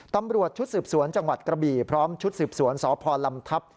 ตำรวจชุดสืบสวนจังหวัดกระบี่พร้อมชุดสืบสวนสพลำทัพ